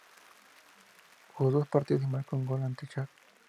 Jugó dos partidos y marcó un gol ante Chad.